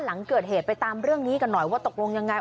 หลังเกิดเหตุไปตามเรื่องนี้กันหน่อยว่าตกลงยังไง